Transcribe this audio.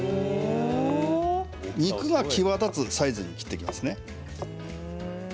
肉が際立つサイズに切っていきますね。